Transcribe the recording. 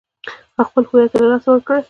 او خپل هويت له لاسه ور کړي .